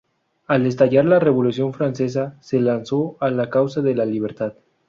Al estallar la Revolución francesa se lanzó a la causa de la libertad.